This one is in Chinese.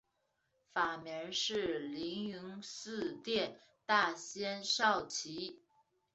法名是灵云寺殿大仙绍其。